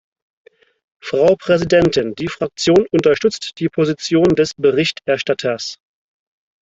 Frau Präsidentin, die Fraktion unterstützt die Position des Berichterstatters.